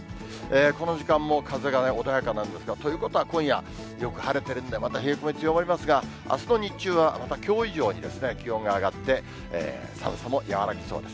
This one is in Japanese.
この時間も風が穏やかなんですが、ということは今夜、よく晴れてるんで、また冷え込み強まりますが、あすの日中はまたきょう以上に気温が上がって、寒さも和らぎそうです。